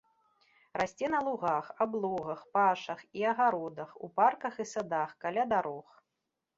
Расце на лугах, аблогах, пашах і агародах, у парках і садах, каля дарог.